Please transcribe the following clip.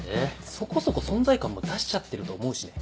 そこそこ存在感も出しちゃってると思うしね。